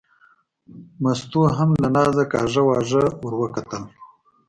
مستو هم له نازه کاږه واږه ور وکتل.